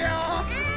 うん！